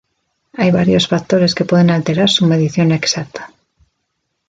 Hay varios factores que pueden alterar su medición exacta.